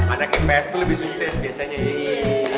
anak ips tuh lebih sukses biasanya ya